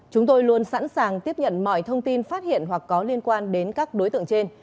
chúng tôi luôn sẵn sàng tiếp nhận mọi thông tin phát hiện hoặc có liên quan đến các đối tượng trên